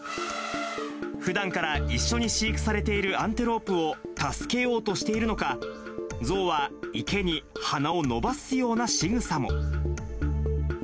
ふだんから一緒に飼育されているアンテロープを助けようとしているのか、象は池に鼻を伸ばすようなしぐさも。